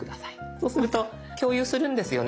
そうすると「共有するんですよね